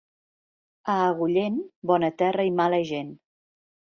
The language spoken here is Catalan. A Agullent, bona terra i mala gent.